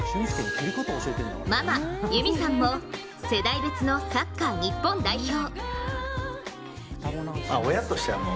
ママ・夕魅さんも世代別のサッカー日本代表。